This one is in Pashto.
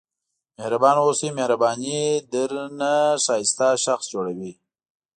مهربانه واوسئ مهرباني درنه ښایسته شخص جوړوي.